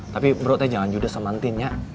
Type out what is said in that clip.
tapi bro teh jangan juga semantin ya